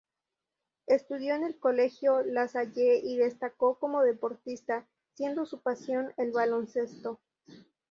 Estudió en el colegio Lasalle y destacó como deportista, siendo su pasión el baloncesto.